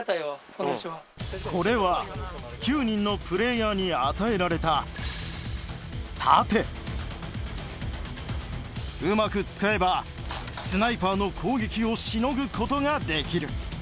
これは９人のプレーヤーに与えられたうまく使えばスナイパーの攻撃をしのぐことができる